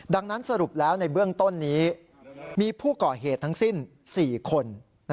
ดังนั้นสรุปแล้วในเบื้องต้นนี้มีผู้ก่อเหตุทั้งสิ้น๔คน